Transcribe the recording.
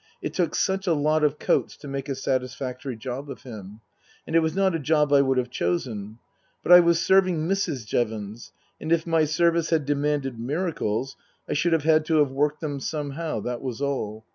It took such a lot of coats to make a satisfactory job of him. And it was not a job I would have chosen. But I was serving Mrs. Jevons, and if my service had demanded miracles I should have had to have worked them somehow, that was all.